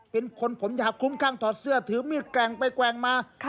เป็นคนผมอยากคุ้มข้างถอดเสื้อถือมีดแกว่งไปแกว่งมา